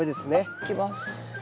いきます。